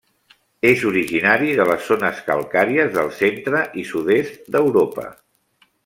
És originari de les zones calcàries del centre i sud-est d'Europa.